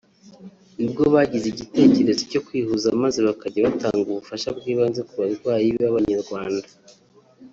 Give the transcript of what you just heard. nibwo bagize igitekerezo cyo kwihuza maze bakajya batanga ubufasha bw’ibanze ku barwayi b’ababanyarwanda